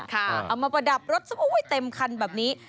เอามาประดับรถซะเต็มคันแบบนี้